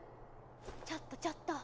ちょっとちょっと。